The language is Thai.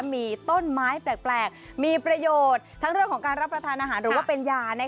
มีต้นไม้แปลกมีประโยชน์ทั้งเรื่องของการรับประทานอาหารหรือว่าเป็นยา